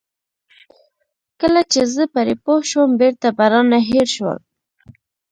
کله چې زه پرې پوه شوم بېرته به رانه هېر شول.